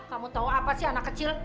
kamu tahu apa sih anak kecil